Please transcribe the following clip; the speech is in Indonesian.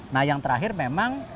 nah yang terakhir memang